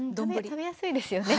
食べやすいですよね。